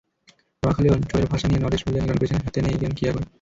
নোয়াখালী অঞ্চলের ভাষা নিয়ে নরেশ ভুইঞা নির্মাণ করছেন হ্যাতেনে ইগান কিয়া কয়।